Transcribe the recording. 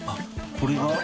これが？